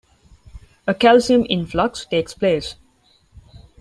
A calcium influx takes place.